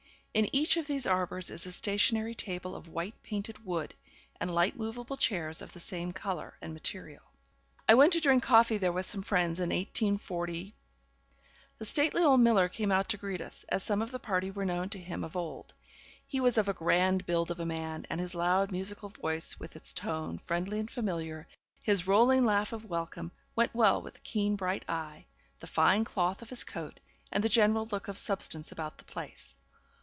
In each of these arbours is a stationary table of white painted wood, and light moveable chairs of the same colour and material. I went to drink coffee there with some friends in 184 . The stately old miller came out to greet us, as some of the party were known to him of old. He was of a grand build of a man, and his loud musical voice, with its tone friendly and familiar, his rolling laugh of welcome, went well with the keen bright eye, the fine cloth of his coat, and the general look of substance about the place.